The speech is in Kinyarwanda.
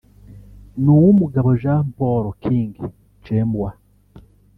n’uw’umugabo Jean Paul King Chembwa